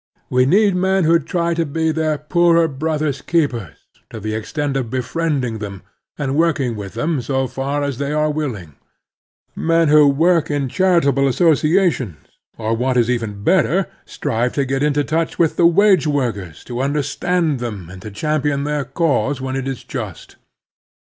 We need men who try to be their poorer brothers' keepers to the extent of befriending them and working with them so far as they are willing; men who work in charitable associations, or, what is even better, strive to get into touch with the wage workers, to understand them, and to champion their cause when it is just.